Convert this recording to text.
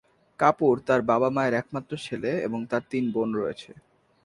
কাপুর তার বাবা-মায়ের একমাত্র ছেলে এবং তার তিন বোন রয়েছে।